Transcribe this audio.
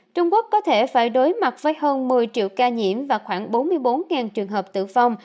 trung quốc có thể phải đối mặt với hơn một mươi triệu ca nhiễm và khoảng bốn mươi bốn trường hợp tử vong